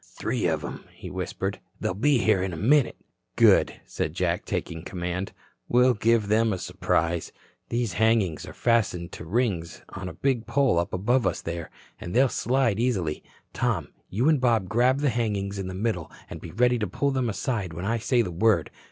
"Three of 'em," he whispered. "They'll be here in a minute." "Good," said Jack, taking command. "We'll give them a surprise. These hangings are fastened to rings on a big pole up above us there, and they'll slide easily. Tom, you and Bob grab the hangings in the middle and be ready to pull them aside when I say the word.